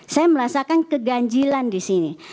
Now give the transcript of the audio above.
saya merasakan keganjilan disini